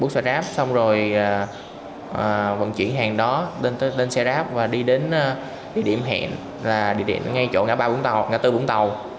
xong rồi vận chuyển hàng đó lên xe grab và đi đến địa điểm hẹn là địa điểm ngay chỗ ngã bốn vũng tàu